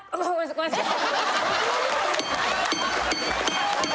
ごめんなさい！